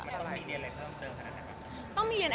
มันต้องมีเรียนอะไรเพิ่มเติมค่ะนั่นไหมคะ